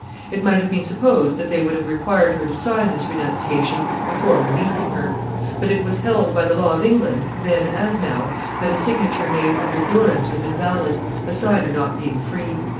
It might have been supposed that they would have required her to sign this renunciation before releasing her. But it was held by the law of England, then as now, that a signature made under durance was invalid, the signer not being free.